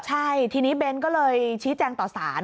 ใช่ทีนี้เบ้นก็เลยชี้แจงต่อสาร